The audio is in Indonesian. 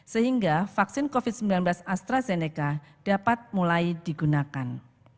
sehingga vaksin covid sembilan belas astrazeneca dapat mulai digunakan